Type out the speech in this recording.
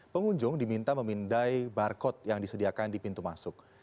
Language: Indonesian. pengunjung diminta memindai barcode yang disediakan di pintu masuk